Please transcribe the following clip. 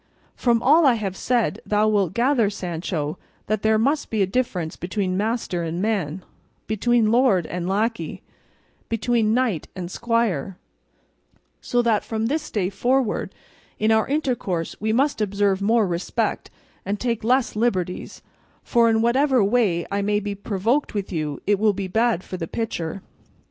From all I have said thou wilt gather, Sancho, that there must be a difference between master and man, between lord and lackey, between knight and squire: so that from this day forward in our intercourse we must observe more respect and take less liberties, for in whatever way I may be provoked with you it will be bad for the pitcher.